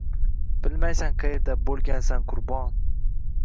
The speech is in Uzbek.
Bilmaysan qaerda bo’lgansan qurbon.